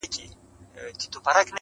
• څوك دي د جاناني كيسې نه كوي.